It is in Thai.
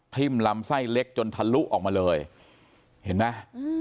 ลำไส้เล็กจนทะลุออกมาเลยเห็นไหม